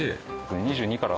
２２から。